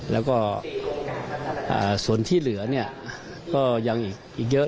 แล้วก็ส่วนที่เหลือเนี่ยก็ยังอีกเยอะ